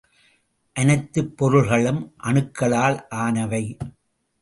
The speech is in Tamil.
அனைத்துப் பொருள்களும் அணுக்களால் ஆனவை.